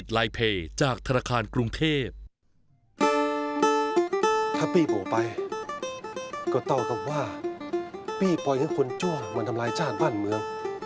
ปล่อยให้คนชั่วมันทำลายชาติบ้านเมือง